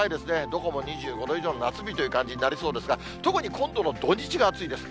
どこも２５度以上の夏日という感じになりそうですが、特に、今度の土日が暑いです。